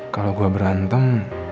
kalo gue berantem